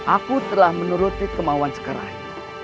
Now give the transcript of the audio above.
aku telah menuruti kemauan sekar ayu